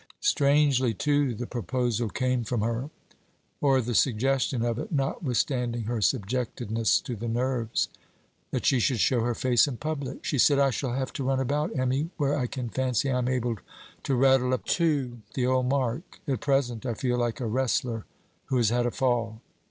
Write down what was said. Strangely too, the proposal came from her, or the suggestion of it, notwithstanding her subjectedness to the nerves, that she should show her face in public. She said: 'I shall have to run about, Emmy, when I can fancy I am able to rattle up to the old mark. At present, I feel like a wrestler who has had a fall.